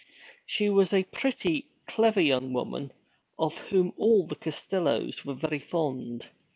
She was a pretty, clever young woman, of whom all the Costellos were very fond.